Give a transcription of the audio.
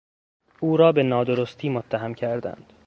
او را به نادرستی متهم کردند.